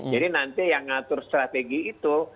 jadi nanti yang ngatur strategi itu